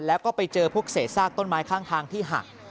แล้วก็ไปเจอพวกเศษซากต้นไม้ข้างทางที่หัก